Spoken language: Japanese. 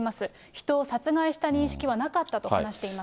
人を殺害した認識はなかったと話しています。